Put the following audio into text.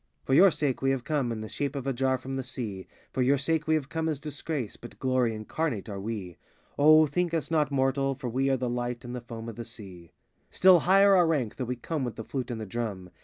87 For your sake we have come In the shape of a jar from the Sea; For your sake we have come as Disgrace. But glory incarnate are we. O think us not mortal, for we Are the light on the foam of the sea. Still higher our rank, though we come With the flute and the drum.